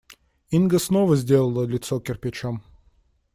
Инга снова сделала лицо кирпичом.